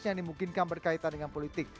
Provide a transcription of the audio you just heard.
yang dimungkinkan berkaitan dengan politik